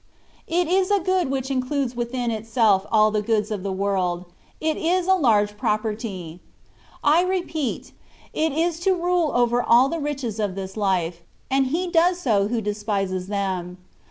It is a good which includes within itself all the goods of this world : it is a large property."*^ I repeat ; it is to rule over all the riches of this life ; and he does so who despises them.